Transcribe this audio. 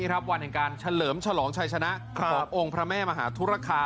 วันแห่งการเฉลิมฉลองชัยชนะขององค์พระแม่มหาธุรคา